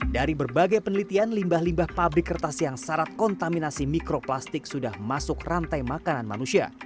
dari berbagai penelitian limbah limbah pabrik kertas yang syarat kontaminasi mikroplastik sudah masuk rantai makanan manusia